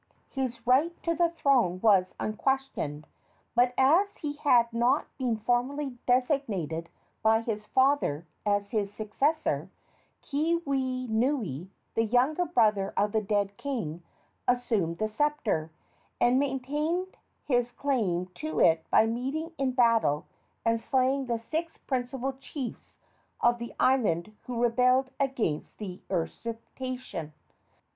His right to the throne was unquestioned, but, as he had not been formally designated by his father as his successor, Keawenui, the younger brother of the dead king, assumed the sceptre, and maintained his claim to it by meeting in battle and slaying the six principal chiefs of the island who rebelled against the usurpation.